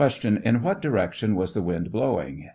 In what direction was the wind blowing